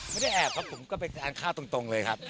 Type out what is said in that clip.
ไม่ได้แอบครับผมก็ไปทานข้าวตรงเลยครับ